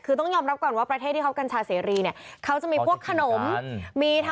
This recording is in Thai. คือต้องยอมรับก่อนว่าประเทศที่เขากัญชาเสรีเนี่ยเขาจะมีพวกขนม